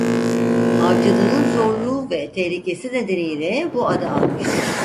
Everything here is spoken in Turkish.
Avcılığın zorluğu ve tehlikesi nedeniyle bu adı almıştır.